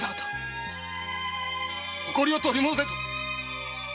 「誇りを取り戻せ」と！